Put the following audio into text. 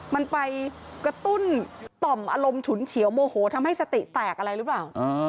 มันไปกระตุ้นต่อมอารมณ์ฉุนเฉียวโมโหทำให้สติแตกอะไรหรือเปล่า